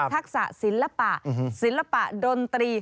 ทักษะศิลปะศิลปะดนตรี